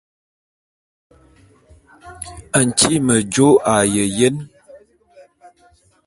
Ntyi'i mejô a ye jene.